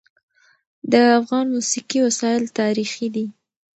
د افغان موسیقي وسایل تاریخي دي.